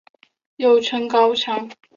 又称高腔。